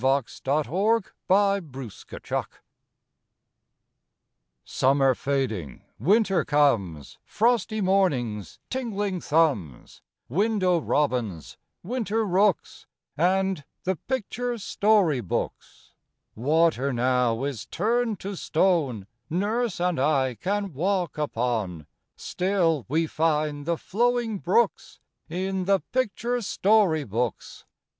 PICTURE BOOKS IN WINTER Summer fading, winter comes Frosty mornings, tingling thumbs, Window robins, winter rooks, And the picture story books. Water now is turned to stone Nurse and I can walk upon; Still we find the flowing brooks In the picture story books.